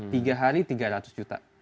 tiga hari tiga ratus juta